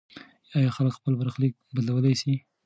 آیا خلک خپل برخلیک بدلولی سي؟